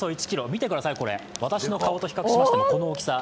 見てください、私の顔と比較しましてもこの大きさ。